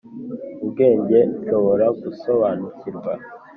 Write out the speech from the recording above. ubwenge nshobora gusobanukirwa,